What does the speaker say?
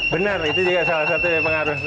benar itu juga salah satu yang pengaruh